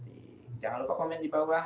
jadi jangan lupa komen dibawah